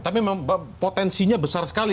tapi potensinya besar sekali